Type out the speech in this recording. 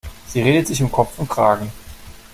Sie redet sich um Kopf und Kragen.